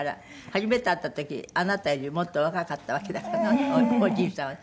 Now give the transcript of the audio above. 初めて会った時あなたよりもっと若かったわけだからおじいさんは。